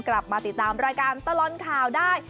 กลับมาติดตามรายการตลอดข่าวได้